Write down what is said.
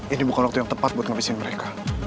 ini bukan waktu yang tepat buat ngabisin mereka